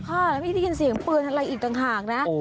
ค่ะแล้วไม่ได้ยินเสียงปืนอะไรอีกต่างหากนะ